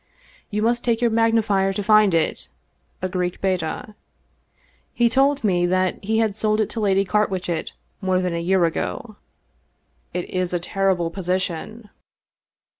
You must take your magnifier to find it ; a Greek Beta. He also told me that he had sold it to Lady Carwitchet more than a year ago." " It is a terrible position."